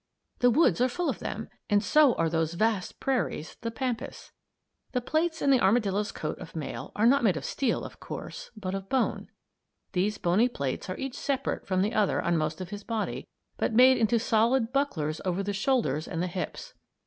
The woods are full of them, and so are those vast prairies the pampas. The plates in the armadillo's coat of mail are not made of steel, of course, but of bone. These bony plates are each separate from the other on most of his body but made into solid bucklers over the shoulders and the hips.